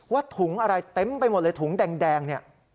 ถุงอะไรเต็มไปหมดเลยถุงแดงเนี่ย